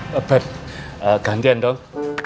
babe gantian dong